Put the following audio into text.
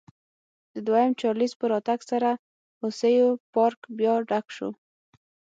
د دویم چارلېز په راتګ سره د هوسیو پارک بیا ډک شو.